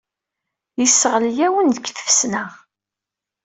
Yesseɣli-awen deg tfesna.